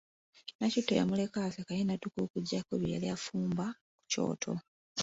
Nakitto yamuleka aseka ye n'adduka okuggyako bye yali afumba ku kyoto.